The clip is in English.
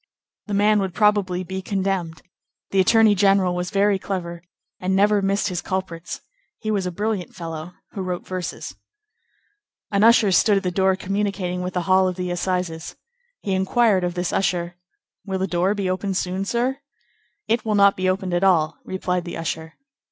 The man would probably be condemned; the attorney general was very clever, and never missed his culprits; he was a brilliant fellow who wrote verses. An usher stood at the door communicating with the hall of the Assizes. He inquired of this usher:— "Will the door be opened soon, sir?" "It will not be opened at all," replied the usher.